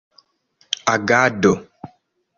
agado